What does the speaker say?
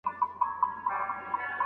مدیتیشن د استراحت غوره لاره ده.